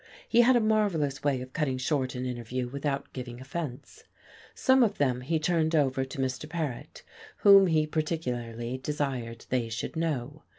He had a marvellous way of cutting short an interview without giving offence. Some of them he turned over to Mr. Paret, whom he particularly desired they should know.